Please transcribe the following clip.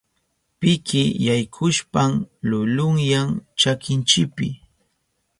Piki yaykushpan lulunyan chakinchipi.